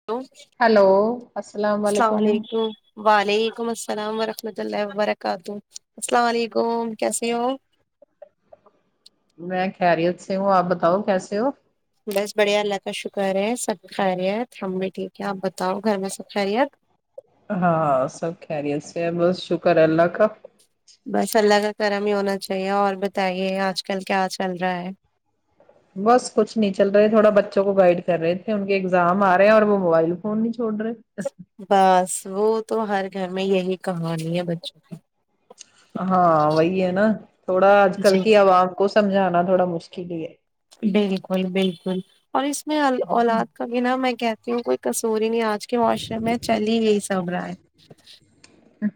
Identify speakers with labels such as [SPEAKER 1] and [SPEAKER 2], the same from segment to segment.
[SPEAKER 1] [unintelligible]
[SPEAKER 2] Hello السلام علیکم
[SPEAKER 1] وعلیکم السلام ورحمۃ اللہ وبرکاتہ السلام علیکم کیسے ہو
[SPEAKER 2] میں خیریت سے ہوں آپ بتاؤ کیسے ہو
[SPEAKER 1] بس بڑھیا اللہ کا شکر ہے سب خیریت ہم بھی ٹھیک ہے آپ بتاؤ گھر میں سب خیریت
[SPEAKER 2] ہاں سب خیریت سے بس شکر ہے اللہ کا
[SPEAKER 1] بس اللہ کا کرم ہی ہونا چاہیے اور بتائیے آج کل کیا چل رہا ہے
[SPEAKER 2] بس کچھ نہیں چل رہے تھوڑا بچوں کو گائڈ کر رہے تھے ان کے ایگزام آ رہے ہیں اور وہ موبائل فون نہیں چھوڑ رہے
[SPEAKER 1] بس وہ تو ہر گھر میں یہی کہانی ہے بچوں کی
[SPEAKER 2] ہاں وہی ہے نا تھوڑا آج کل
[SPEAKER 1] جی
[SPEAKER 2] کی عوام کو سمجھانا تھوڑا مشکل ہی ہے
[SPEAKER 1] بالکل بالکل اور اس میں اولاد کا بنا میں کہتی ہوں کوئی کسوری نہیں آج کہ معاشرے میں چلی یہی سب رائے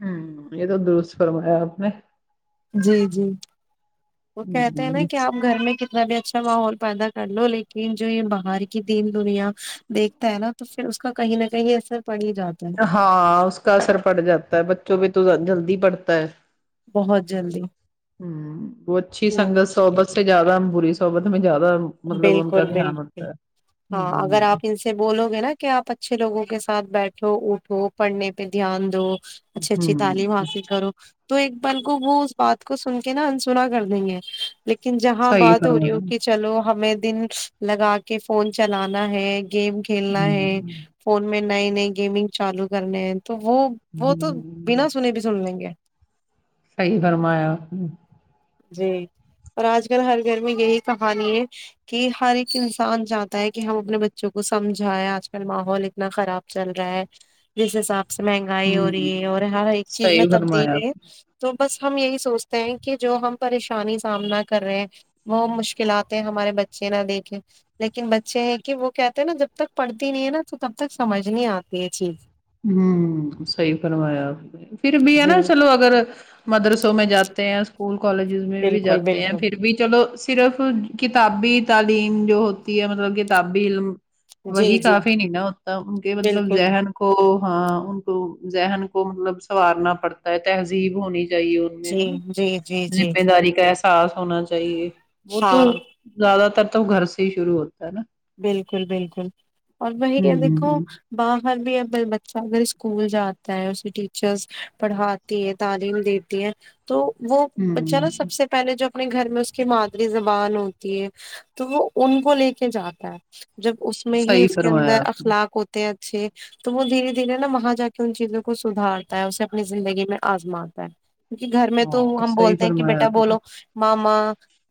[SPEAKER 2] ہوں یہ تو درست فرمایا آپ نے
[SPEAKER 1] جی جی وہ کہتے ہیں نا کہ آپ گھر میں کت نا بھی اچھا ماحول پیدا کر لو لیکن جو یہ باہر کی دین دنیا دیکھتا ہے نا تو پھر اس کا کہیں نہ کہیں اثر پڑ ہی جاتا ہے
[SPEAKER 2] ہاں اس کا اثر پڑ جاتا ہے بچوں پہ تو جلدی پڑتا ہے
[SPEAKER 1] بہت جلدی
[SPEAKER 2] ہوں وہ اچھی سنگت صحبت سے زیادہ بری صحبت میں زیادہ مطلب ان کا
[SPEAKER 1] بالکل
[SPEAKER 2] دھیان
[SPEAKER 1] بالکل
[SPEAKER 2] ہوتا ہے
[SPEAKER 1] ہاں اگر
[SPEAKER 2] ہ
[SPEAKER 1] آپ سے بولو گے نا کہ آپ اچھے لوگوں کے ساتھ بیٹھو اٹھو پڑھنے پہ دھیان دو اچھی اچھی تعلیم
[SPEAKER 2] ہ
[SPEAKER 1] حاصل کرو تو ایک بل کو وہ اس بات کو سن کے نا انسنا کر دیں گے لیکن جہاں
[SPEAKER 2] صحیح
[SPEAKER 1] بات ہو رہی ہو
[SPEAKER 2] فرمایا
[SPEAKER 1] چلو ہمیں دن لگا کے فون چلانا ہے گیم
[SPEAKER 2] ہ
[SPEAKER 1] کھیلنا ہے
[SPEAKER 2] ہ
[SPEAKER 1] فون میں نئی نئی گیمنگ چالو کرنے ہیں تو وہ وہ تو بنا سنے بھی سن لیں گے
[SPEAKER 2] صحیح فرمایا
[SPEAKER 1] جی اور آج کل ہر گھر میں یہی کہانی ہے کہ ہر ایک انسان چاہتا ہے کہ ہم اپنے بچوں کو سمجھائیں آج کل ماحول اتنا خراب چل رہا ہے جس حساب سے
[SPEAKER 2] ہ
[SPEAKER 1] مہنگائی ہو رہی ہے اور ہر ایک چیز میں
[SPEAKER 2] صحیح
[SPEAKER 1] تبدیل
[SPEAKER 2] فرمایا
[SPEAKER 1] ہے تو بس ہم یہی سوچتے ہیں کہ جو ہم پریشانی سامنا کر رہے ہیں وہ مشکلاتیں ہمارے بچے نہ دیکھیں لیکن بچے ہیں کہ وہ کہتے ہیں نا جب تک پڑھتی نہیں ہے نا تو تب تک سمجھ نہیں آتی یہ چیز
[SPEAKER 2] ہوں صحیح فرمایا آپ نے پھر بھی ہے
[SPEAKER 1] جی
[SPEAKER 2] نا چلو اگر مدرسوں میں جاتے ہیں اسکول کالجز میں بھی
[SPEAKER 1] بالکل
[SPEAKER 2] جاتے ہیں
[SPEAKER 1] بالکل
[SPEAKER 2] پھر بھی چلو پھر صرف کتابی تعلیم جو ہوتی ہے مطلب کتابی علم
[SPEAKER 1] جی
[SPEAKER 2] وہی
[SPEAKER 1] جی
[SPEAKER 2] کافی نہیں نا اتنا ان کے مطلب
[SPEAKER 1] بالکل
[SPEAKER 2] ذہن کو ہاں ان کو ذہن کو مطلب سنوارنا پڑتا ہے تہذیب ہونی چاہیے
[SPEAKER 1] جی
[SPEAKER 2] ا
[SPEAKER 1] جی جی جی
[SPEAKER 2] ذمہ داری کا ایسا احساس ہونا چاہیے وہ تو
[SPEAKER 1] ہاں
[SPEAKER 2] زیادہ تر تو گھر سے ہی شروع ہوتا ہے نا
[SPEAKER 1] بالکل بالکل اور بولے یہ دیکھو
[SPEAKER 2] ہ
[SPEAKER 1] باہر بھی ب بچہ اگر اسکول جاتا ہے اسے ٹیچرس پڑھات تعلیم دیتی ہے تو وہ
[SPEAKER 2] ہ
[SPEAKER 1] بچہ نا سب
[SPEAKER 2] ہ
[SPEAKER 1] سے پہلے جو اپنے گھر میں اس کی مادری زبان ہوتی ہے تو وہ ان کو لے کے جاتا ہے جب اس میں ہی
[SPEAKER 2] صحیح
[SPEAKER 1] اس کے اندر
[SPEAKER 2] فرمایا آپ نے
[SPEAKER 1] اخلاق ہوتے ہیں اچھے تو وہ دھیرے دھیرے نا وہاں جا کے ان چیزوں کو سدھارتا ہے اسے اپنی زندگی میں آزماتا ہے کیونکہ گھر میں تو
[SPEAKER 2] ہاں
[SPEAKER 1] ہم
[SPEAKER 2] صحیح
[SPEAKER 1] بولتے ہیں کہ
[SPEAKER 2] فرمایا
[SPEAKER 1] بیٹا
[SPEAKER 2] آپ نے
[SPEAKER 1] بولو ماما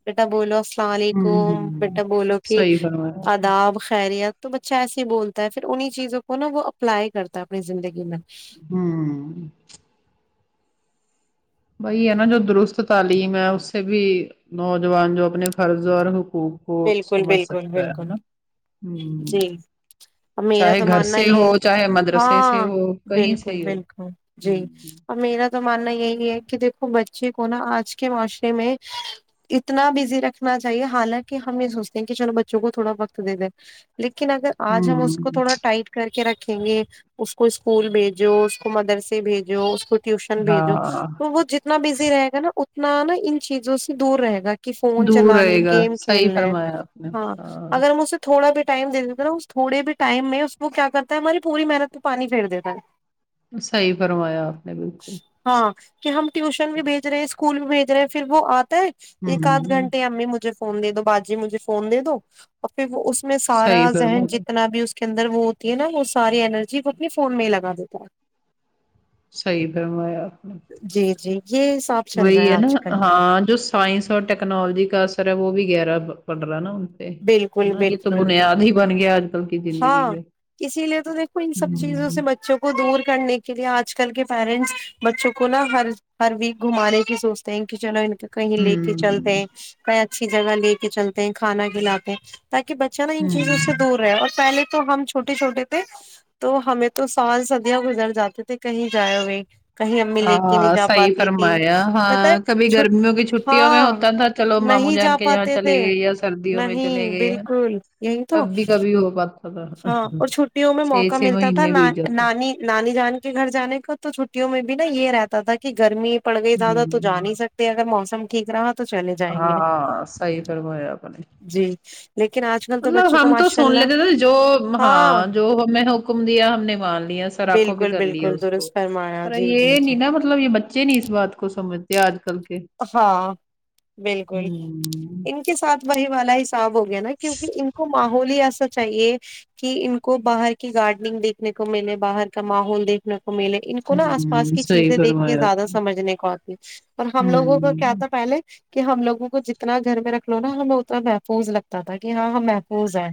[SPEAKER 1] بیٹا بولو السلام
[SPEAKER 2] ہوں
[SPEAKER 1] علیکم
[SPEAKER 2] ہوں
[SPEAKER 1] بیٹا بولو کہ
[SPEAKER 2] صحیح فرمایا آپ نے
[SPEAKER 1] آداب خیریت تو بچہ ایسے ہی بولتا ہے پھر انہیں چیزوں کو نا وہ اپلائی کرتا ہے اپنی زندگی میں
[SPEAKER 2] ہوں [inaudible] وہی ہے نا جو درست تعلیم ہے اس سے بھی نوجوان جو اپنے فرض اور حقوق کو
[SPEAKER 1] بالکل
[SPEAKER 2] سمجھ
[SPEAKER 1] بالکل
[SPEAKER 2] سکتا ہے
[SPEAKER 1] بالکل
[SPEAKER 2] نا
[SPEAKER 1] جی اب میرا تو
[SPEAKER 2] چاہے گھر
[SPEAKER 1] ماننا
[SPEAKER 2] سے
[SPEAKER 1] یہ ہے
[SPEAKER 2] ہو چاہے مدرسے سے
[SPEAKER 1] ہاں
[SPEAKER 2] ہو کہیں سے
[SPEAKER 1] بالکل
[SPEAKER 2] ہی ہو
[SPEAKER 1] بالکل جی
[SPEAKER 2] ہ
[SPEAKER 1] اور میرا تو ماننا یہی ہے کہ دیکھو بچے کو نا آج کے معاشرے میں اتنا بزی رکھنا چاہیے حالانکہ ہم یہ سوچتے ہیں کہ چلو بچوں کو تھوڑا وقت دے دے لیکن اگر آج ہم اس کو
[SPEAKER 2] ہوں
[SPEAKER 1] تھوڑا ٹائٹ کر کے رکھیں گے اس کو اسکول بھیجو اس کو مدرسے بھیجو اس کو ٹیوشن بھیجو
[SPEAKER 2] ہاں
[SPEAKER 1] تو وہ جتنا بزی رہے گا نا اتنا نا ان چیزوں سے دور رہے گا کہ فون
[SPEAKER 2] دور
[SPEAKER 1] چلانی
[SPEAKER 2] رہے گا
[SPEAKER 1] گیم
[SPEAKER 2] صحیح
[SPEAKER 1] کھیلنے
[SPEAKER 2] فرمایا آپ نے
[SPEAKER 1] ہاں اگر ہم اس سے تھوڑا بھی ٹائم دے دیتا نا اس تھوڑے بھی ٹائم میں اس کو کیا کرتا ہے ہماری پوری محنت میں پانی پھیر دیتا ہے
[SPEAKER 2] صحیح فرمایا آپ نے بالکل
[SPEAKER 1] ہاں کہ ہم ٹیوشن بھی بھیج رہے ہیں اسکول بھی بھیج رہے ہیں پھر وہ آتا ہے ایک آدھ
[SPEAKER 2] ہوں
[SPEAKER 1] گھنٹے امی مجھے فون دے دو باجی مجھے فون دے دو پھر وہ اس میں سارا
[SPEAKER 2] صحیح
[SPEAKER 1] ذہن
[SPEAKER 2] فرمایا
[SPEAKER 1] جتنا بھی اس کے اندر وہ ہوتی ہے نا وہ ساری انینرجی وہ اپنے فون میں ہی لگا دیتا
[SPEAKER 2] صحیح فرمایا آپ نے
[SPEAKER 1] جی جی یہ حساب چل رہا
[SPEAKER 2] وہی ہے نا
[SPEAKER 1] آج کل
[SPEAKER 2] ہاں جو سائنس اور ٹیکنالوجی کا اثر ہے وہ بھی گہرا پا پڑ رہا نا ہے
[SPEAKER 1] بالکل
[SPEAKER 2] نا یہ تو
[SPEAKER 1] بالکل
[SPEAKER 2] بنیاد ہی بن گیا آج کل کی زندگی
[SPEAKER 1] ہاں
[SPEAKER 2] کے
[SPEAKER 1] اسی لیے تو دیکھو ان سب چیزوں سے بچوں کو دور کرنے کے لیے آج کل کے پیرنٹس بچوں کو نہ ہر ہر ویک گھمانے کی سوچتے ہیں کہ چلو ان کے کہیں لے کے چلتے
[SPEAKER 2] ہوں
[SPEAKER 1] ہیں کہیں اچھی جگہ لے کے چلتے ہیں کھانا کھلاتے تاکہ بچہ نا ان چیزوں سے
[SPEAKER 2] ہوں
[SPEAKER 1] دور رہے اور پہلے تو ہم چھوٹے چھوٹے تھے تو ہمیں تو سال صدیاں گزر جاتے تھے کہیں جائے ہوئے کہیں امی لے کے نہیں
[SPEAKER 2] ہاں
[SPEAKER 1] جا
[SPEAKER 2] صحیح
[SPEAKER 1] پاتی تھی
[SPEAKER 2] فرمایا
[SPEAKER 1] پتا ہے
[SPEAKER 2] ہاں کبھی
[SPEAKER 1] چھٹ
[SPEAKER 2] گرمیوں کی چھٹیوں میں
[SPEAKER 1] ہاں
[SPEAKER 2] ہوتا تھا چلو ماموں
[SPEAKER 1] نہیں جا
[SPEAKER 2] جان کے یہاں
[SPEAKER 1] پاتے تھے
[SPEAKER 2] چلے گئے یا سردیوں میں
[SPEAKER 1] نہیں
[SPEAKER 2] نا
[SPEAKER 1] بالکل یہی تو
[SPEAKER 2] تب بھی کبھی یو بات تو ہے تھا
[SPEAKER 1] ہاں اور چھٹیوں میں
[SPEAKER 2] چھ
[SPEAKER 1] موقع
[SPEAKER 2] چھ
[SPEAKER 1] ملتا تھا
[SPEAKER 2] مہینے
[SPEAKER 1] ن
[SPEAKER 2] بیت جاتے
[SPEAKER 1] نانی نانی جان کے گھر جانے کا تو چھٹیوں میں بھی نا یہ رہتا تھا کہ گرمی پڑ گئی زیادہ تو جا
[SPEAKER 2] ہوں
[SPEAKER 1] نہیں سک تے اگر موسم ٹھیک رہا تو چلے جائیں گے
[SPEAKER 2] ہاں ہاں صحیح فرمایا آپ نے
[SPEAKER 1] جی لیکن آج نہ
[SPEAKER 2] مطلب ہم تو سن لیتے تھے جو ہاں جو ہمیں حکم دیا ہم نے مان لیا سرآنکھوں پہ
[SPEAKER 1] بالکل
[SPEAKER 2] کر لیا
[SPEAKER 1] بالکل
[SPEAKER 2] اس کو
[SPEAKER 1] درست فرمایا
[SPEAKER 2] پر
[SPEAKER 1] جی جی
[SPEAKER 2] یہ
[SPEAKER 1] جی
[SPEAKER 2] نہیں نا مطلب یہ بچے نہیں اس بات کو سمجھتے آج کل کے
[SPEAKER 1] ہاں بالکل
[SPEAKER 2] ہوں
[SPEAKER 1] ان کے ساتھ وہی والا حساب ہو گیا نا کیونک ان کو معاف ہول ہی ایسا چاہیے کہ ان کو باہر کی گارڈننگ دیکھنے کو ملے باہر کا ماحول دیکھ نے کو ملے ان کو نا آس پاس
[SPEAKER 2] ہوں
[SPEAKER 1] کی
[SPEAKER 2] صحیح
[SPEAKER 1] چیزیں دیکھ کے
[SPEAKER 2] فرمایا آپ
[SPEAKER 1] زیادہ سمجھنے کو آتی ہے اور ہم لوگوں کا کیا
[SPEAKER 2] ہوں
[SPEAKER 1] تھا پہلے کہ ہم لوگوں کو جتنا گھر میں رکھ لو نہ ہمیں اتنا محفوظ لگتا تھا کہ ہاں ہم محفوظ ہیں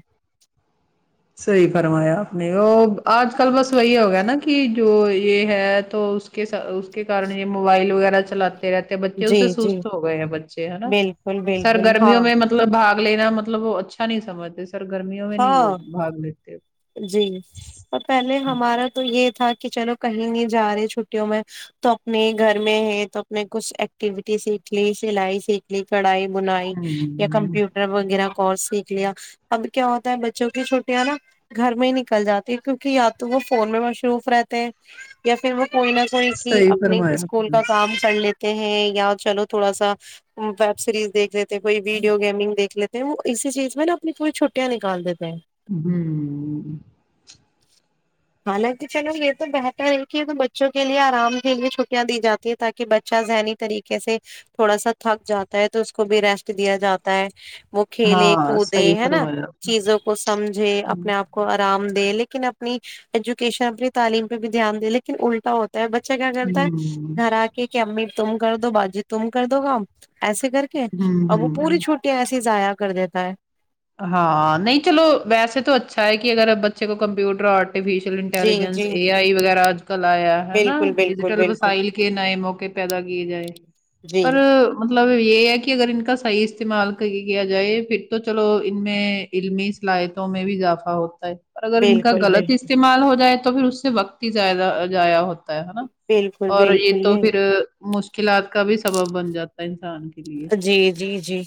[SPEAKER 2] صحیح فرمایا آپ نے وہ آج کل بس وہی ہوگیا نا کہ جو یہ ہے تو اس کے اس کے کارن یہ موبائل وغیرہ چلاتے رہتے بچے اس
[SPEAKER 1] جی
[SPEAKER 2] سے
[SPEAKER 1] جی
[SPEAKER 2] سست ہو گئے ہیں بچے ہے نا
[SPEAKER 1] بالکل بالکل ہاں
[SPEAKER 2] سرگرمیوں میں مط مطلب بھاگ لینا مطلب وہ اچھا نہیں سمجھتے سر گرمیوں میں نہیں وہ
[SPEAKER 1] ہاں
[SPEAKER 2] بھاگ لیتے
[SPEAKER 1] جی تو پہلے
[SPEAKER 2] ہوں
[SPEAKER 1] ہمارا تو یہ تھا کہ چلو کہیں نہیں جا رہے چھٹیوں میں تو اپنے گھر میں ہے تو اپنے کچھ ایکٹیویٹی سیکھ لی سلائی سیکھ یہ کڑھائی بنائی یا کمپ وغیرہ کو سیکھ لیا اب کیا ہوتا ہے بچوں کی چھوٹیاں نا گھر میں ہی نکل جاتی کیونک یا تو وہ فون میں مصروف رہتے ہیں یا پھر وہ کوئی نہ کیونکہ
[SPEAKER 2] صحیح
[SPEAKER 1] اپنے
[SPEAKER 2] فرمایا آپ
[SPEAKER 1] اسکول
[SPEAKER 2] نے
[SPEAKER 1] کا کام کر لیتے ہیں یا چلو تھوڑا سا ویب سیریز دیکھ لیتے ہیں کوئی ویڈیو گیمنگ دیکھ لیتے ہیں وہ اسی چیز میں نا اپنی پوری چھٹیاں نکال دیتے ہیں
[SPEAKER 2] ہوں
[SPEAKER 1] حالانکہ چلو یہ تو بہتر ہے کہ تو بچوں کے لیے آرام کے لیے چھٹیاں دی جاتی ہیں تاکہ بچہ ذہنی طری کیسے تھوڑا سا تھک جاتا ہے تو اس کو بھی ریسٹ دیا جاتا ہے وہ کھیلے
[SPEAKER 2] ہاں
[SPEAKER 1] کودے
[SPEAKER 2] صحیح
[SPEAKER 1] ہے نا
[SPEAKER 2] فرمایا آپ نے
[SPEAKER 1] چیزوں کو سمجھے
[SPEAKER 2] ہوں
[SPEAKER 1] اپنے آپ کو آرام دے لیکن اپنی ایجوکیشن اپنی تعلیم پہ بھی دھیان دے لیکن الٹا ہوت بچہ کیا کرتا
[SPEAKER 2] ہوں
[SPEAKER 1] ہے گھر آ کے کہ امی تم کر دو باجی تم کر دو کام ایسے کر کے
[SPEAKER 2] ہوں
[SPEAKER 1] اب وہ
[SPEAKER 2] ہوں
[SPEAKER 1] پوری چھٹیاں ایسی ہی ضائع کر دیتا ہے
[SPEAKER 2] ہاں نہیں چلو ویسے تو اچھا ہے کہ اگر اب بچے کو کمپیوٹر آرٹیفش
[SPEAKER 1] جی
[SPEAKER 2] انلیجنس
[SPEAKER 1] جی
[SPEAKER 2] اے آ وغیرہ اج کل آیا ہینہ
[SPEAKER 1] بالکل بالکل
[SPEAKER 2] ڈیجیٹل
[SPEAKER 1] بالکل
[SPEAKER 2] وسائل کہ نئے موقعے پیدا کیے جائے
[SPEAKER 1] جی
[SPEAKER 2] پر مطلب یہ ہے کہ اگر ان کا صحیح استعمال کیا جائے پھر تو چلو ان میں علمی صلاحیتوں میں بھی اضافہ ہوتا ہے اور اگر ان کا
[SPEAKER 1] بالکل
[SPEAKER 2] غلط
[SPEAKER 1] بالکل
[SPEAKER 2] استعمال ہو جائے تو پھر اس سے وقت زیادہ ضائع ہوتا ہے ہے نا
[SPEAKER 1] بالکل
[SPEAKER 2] اور
[SPEAKER 1] بالکل
[SPEAKER 2] یہ تو پھر مشکلات کا بھی سبب بن جاتا انسان کے لیے
[SPEAKER 1] جی جی جی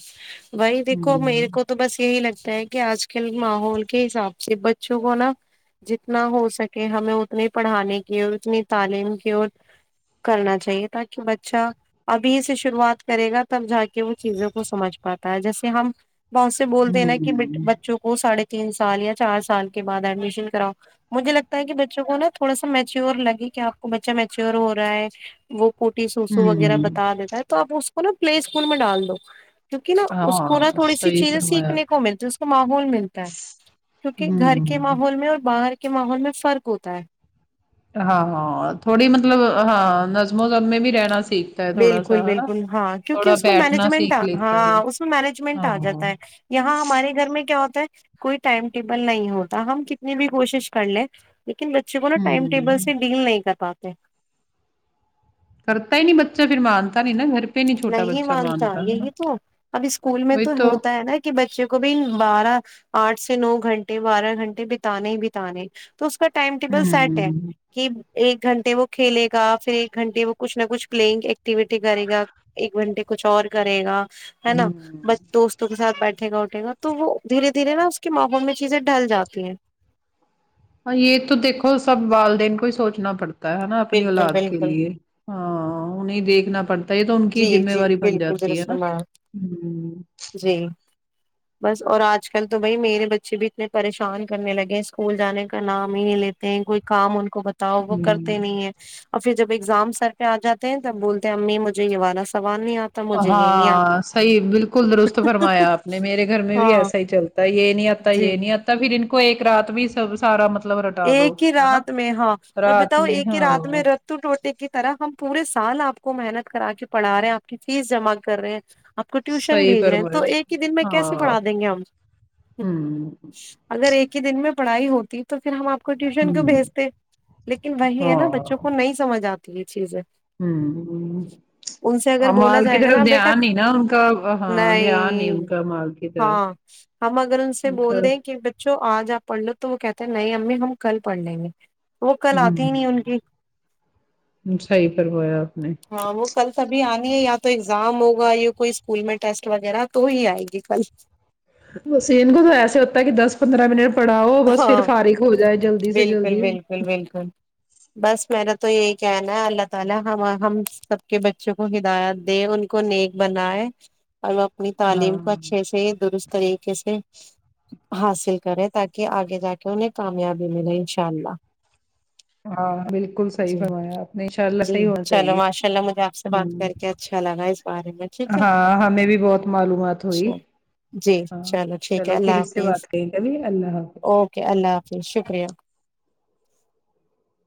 [SPEAKER 1] وہی دیکھو میرے
[SPEAKER 2] ہوں
[SPEAKER 1] کو تو بس یہی لگتا ہے کہ کہ آج کل ماحول کے حساب سے بچوں کو نا جتنا ہو سکے ہمیں اتنی پڑھانے کی اور اتنی تعلیم کی اور کرنا چاہیے تاکہ بچہ ابھی سے شروعات کرے گا تب جا کے وہ چیزوں کو سمجھ پاتا ہے جیسے ہم بہت سے بولتے ہیں نا کہ بے
[SPEAKER 2] ہوں
[SPEAKER 1] بچوں کو وہ ساڑھے تین سال یا چار سال کے بعد ایڈمیشن کراؤ مجھے لگتا ہے کہ بچوں کو نا تھوڑا سا میچیور لگے کہ آپ کو بچہ میچیور ہو رہا ہے وہ پوٹی سوسو وغیرہ
[SPEAKER 2] ہوں
[SPEAKER 1] بتا دیتا ہے تو آپ اس کو نا پلے اسکول میں ڈال دو کیونکہ نا اس کو نا
[SPEAKER 2] ہاں
[SPEAKER 1] تھوڑی سی
[SPEAKER 2] صحیح
[SPEAKER 1] چیزیں
[SPEAKER 2] فرمایا
[SPEAKER 1] سیکھنے کو ملتی ہے اس کو ماحول ملتا ہے کیونکہ گھر کے
[SPEAKER 2] ہوں
[SPEAKER 1] ماحول میں اور باہر کے ماحول میں فرق ہوتا ہے
[SPEAKER 2] ہاں ہاں تھوڑی مطلب ہاں نظم و زمے بھی رہنا س
[SPEAKER 1] بالکل بالکل ہاں کیونکہ اس میں
[SPEAKER 2] بیٹھنا
[SPEAKER 1] مینجمنٹ
[SPEAKER 2] سیکھ لیتا ہے وہ۔
[SPEAKER 1] ہاں اس میں مینجمنٹ
[SPEAKER 2] ہاں
[SPEAKER 1] آ جاتا ہے یہاں ہمارے گھر میں کیا ہوتا ہے کوئی ٹائم ٹیبل نہیں ہوتا ہم کتنی بھی کوشش کر لیں لیکن بچے کو نا ٹائم ٹیبل
[SPEAKER 2] ہوں
[SPEAKER 1] سے ڈیل نہیں کر پاتے
[SPEAKER 2] کرتا ہی نہیں بچہ پھر مانتا نہیں نا گھر پہ چھوٹا
[SPEAKER 1] نہیں
[SPEAKER 2] بچہ
[SPEAKER 1] مانتا
[SPEAKER 2] ہے نا
[SPEAKER 1] یہی تو اب اسکول میں تو ہوتا ہے نا کہ بچے کو بھی بارہ آٹھ سے نو گھنٹے بارہ گھنٹے بتانے ہی بتانے تو اس کا ٹائم ٹیبل سیٹ ہے
[SPEAKER 2] ہوں
[SPEAKER 1] کہ ایک گھنٹے وہ کھیلے گا پھر ایک گھنٹے وہ کچھ نہ کچھ پلئنگ ایکٹیویٹی کرے گا ایک گھنٹے کچھ اور کرے گا ہے نا
[SPEAKER 2] ہوں
[SPEAKER 1] بس دو کے ساتھ بیٹھے گا اوٹھے گا تو وہ دھیرے دھیرے نا اس کے ماحول میں چیزیں ڈل جاتی ہیں
[SPEAKER 2] ہ یہ تو دیکھو سب والدین کو ہی سوچنا پڑتا ہے نا اپنی
[SPEAKER 1] بالکل
[SPEAKER 2] اولاد کے
[SPEAKER 1] بالکل
[SPEAKER 2] لیے ہاں انہیں دیکھنا پڑ یہ تو ان کی
[SPEAKER 1] جی
[SPEAKER 2] ذمے
[SPEAKER 1] جی
[SPEAKER 2] واری بن
[SPEAKER 1] بالکل
[SPEAKER 2] جاتی
[SPEAKER 1] درست
[SPEAKER 2] ہے نا
[SPEAKER 1] فرمایا
[SPEAKER 2] ہمم
[SPEAKER 1] [inaudible] بس اور آج کل تو بھائی میرے بچے بھی اتنے پریشان کرنے لگے ہیں اسکول جانے کا نام ہی نہیں لیتے ہیں کوئی کام ان کو بتاؤ وہ کرتے
[SPEAKER 2] ہوں
[SPEAKER 1] نہیں ہے اور پھر جب ایگزام سر پہ آ جاتے ہیں تب بولتے ہیں امی مج ھے یہ والا سوال نہیں آت
[SPEAKER 2] ہاں صحیح بالکل درست فرمایا آپ نے میرے گھر میں بھی
[SPEAKER 1] ہاں
[SPEAKER 2] ایسا ہی چلتا ہے یہ نہیں آتا
[SPEAKER 1] جی
[SPEAKER 2] یہ نہیں آتا پھر ان کو ایک رات بھی سب سارا مطلب رٹا دو
[SPEAKER 1] ایک ہی
[SPEAKER 2] ہے نا
[SPEAKER 1] رات میں ہاں اور
[SPEAKER 2] رات
[SPEAKER 1] بتاؤ
[SPEAKER 2] میں
[SPEAKER 1] ایک ہی رات
[SPEAKER 2] ہاں
[SPEAKER 1] میں ر ٹوٹے کی طرح ہم پورے سال آپ کو محنت کرا کے پڑا رہے ہیں آپ کی فیس جمع کر رہے ہیں آپ کو ٹیوشن
[SPEAKER 2] صحیح
[SPEAKER 1] بھیج رہے ہیں
[SPEAKER 2] فرمایا
[SPEAKER 1] تو ایک ہی دن میں کیسے
[SPEAKER 2] ہاں
[SPEAKER 1] پڑھا دیں گے ہم
[SPEAKER 2] ہوں
[SPEAKER 1] اگر ایک ہی دن میں پڑھائی ہوتی تو پھر ہم آپ کو ٹیوشن کو
[SPEAKER 2] ہوں
[SPEAKER 1] بھیجتے لیکن وہی ہے نا
[SPEAKER 2] ہاں
[SPEAKER 1] بچوں کو نہیں سمجھ آتی یہ چیزیں
[SPEAKER 2] ہوں
[SPEAKER 1] ان سے اگر
[SPEAKER 2] ہمم
[SPEAKER 1] بولا
[SPEAKER 2] مال کی
[SPEAKER 1] جائے گا نا
[SPEAKER 2] طرف
[SPEAKER 1] بیٹا
[SPEAKER 2] دھیان ہی نا ان کا ہاں دھیان نہیں ان کا مال کی طرف
[SPEAKER 1] ہاں ہم اگر ان سے بول دیں کہ بچوں آج آپ پڑھ لو تو وہ کہتے ہیں نہیں امی ہم کل پڑھ لیں گے وہ کل آتی ہی نہیں ان
[SPEAKER 2] ہوں
[SPEAKER 1] کی
[SPEAKER 2] صحیح فرمایا آپ نے
[SPEAKER 1] ہاں وہ کل سبھی آنی ہے یا تو ایگزام ہوگا یا کوئی اسکول میں ٹیسٹ وغیرہ تو ہی آئے گی کل
[SPEAKER 2] بس ان کو تو ایسے ہوتا ہے کہ دس پندرہ منٹ پڑھاؤ بس پھر
[SPEAKER 1] ہاں
[SPEAKER 2] فارغ ہو جائے جلدی سے
[SPEAKER 1] بالکل
[SPEAKER 2] جلدی
[SPEAKER 1] بالکل بالکل بس میرا تو یہی کہنا ہے اللہ تعالی ہما ہم سب کے بچوں کو ہدایت دے ان کو نیک بنائے اور وہ اپنی
[SPEAKER 2] ہاں
[SPEAKER 1] تعلیم کو اچھے سے درست طریقے سے حاصل کریں تا کہ آگے جا کے انہیں کامیابی ملے انشاء اللہ
[SPEAKER 2] ہاں بالکل صحیح
[SPEAKER 1] جی
[SPEAKER 2] فرمایا آپ نے ان شاء اللہ
[SPEAKER 1] جی
[SPEAKER 2] صحیح ہونا
[SPEAKER 1] چلو
[SPEAKER 2] چاہیے
[SPEAKER 1] ماشاء اللہ مجھے آپ سے بات
[SPEAKER 2] ہ
[SPEAKER 1] کر کے اچھا لگا اس بارے میں ٹھیک ہے
[SPEAKER 2] ہاں ہمیں بھی بہت معلومات ہوئی
[SPEAKER 1] اچھا جی
[SPEAKER 2] ہاں
[SPEAKER 1] ٹھیک ہے
[SPEAKER 2] چلو پھر
[SPEAKER 1] اللہ
[SPEAKER 2] اس سے بات
[SPEAKER 1] حافظ
[SPEAKER 2] کرے کبھی اللہ حا
[SPEAKER 1] اوکے اللہ حافظ شکریہ